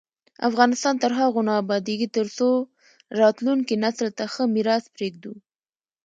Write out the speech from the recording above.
افغانستان تر هغو نه ابادیږي، ترڅو راتلونکي نسل ته ښه میراث پریږدو.